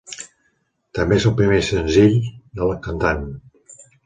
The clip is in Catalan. També és el primer senzill de la cantant.